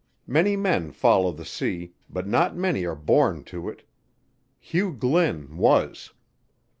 Many men follow the sea, but not many are born to it. Hugh Glynn was.